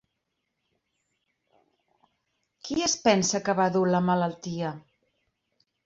Qui es pensa que va dur la malaltia?